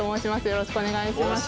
よろしくお願いします。